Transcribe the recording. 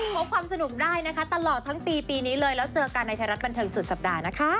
พบความสนุกได้นะคะตลอดทั้งปีปีนี้เลยแล้วเจอกันในไทยรัฐบันเทิงสุดสัปดาห์นะคะ